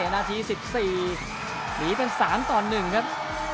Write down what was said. นาทีสิบสี่หนีเป็นสามต่อหนึ่งครับ